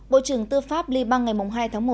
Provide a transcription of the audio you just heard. bộ trưởng tư pháp lyby ngày hai tháng một